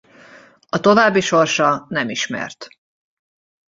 A további sorsa nem ismert.